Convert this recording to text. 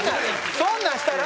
そんなんしたら。